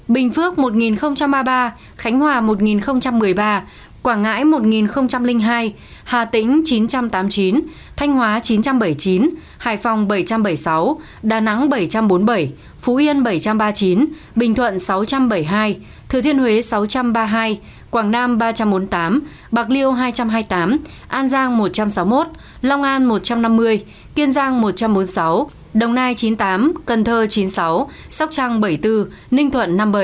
bình phước một ba mươi ba khánh hòa một một mươi ba quảng ngãi một hai hà tĩnh chín trăm tám mươi chín thanh hóa chín trăm bảy mươi chín hải phòng bảy trăm bảy mươi sáu đà nẵng bảy trăm bốn mươi bảy phú yên bảy trăm ba mươi chín bình thuận sáu trăm bảy mươi hai thừa thiên huế sáu trăm ba mươi hai quảng nam ba trăm bốn mươi tám bạc liêu hai trăm hai mươi tám an giang một trăm sáu mươi một long an một trăm năm mươi kiên giang một trăm bốn mươi sáu đồng nai chín mươi tám cần thơ chín mươi sáu sóc trăng bảy mươi bốn ninh thuận năm mươi bảy